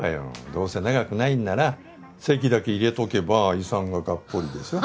どうせ長くないんなら籍だけ入れとけば遺産がガッポリでしょ。